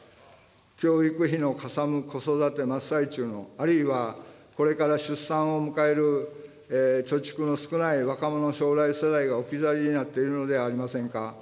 教育費のかさむ子育て真っ最中の、あるいはこれから出産を迎える貯蓄の少ない若者・将来世代が置き去りになっているのではありませんか。